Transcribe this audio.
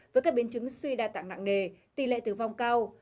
với các biến chứng suy đa tạng nặng nề tỷ lệ tử vong cao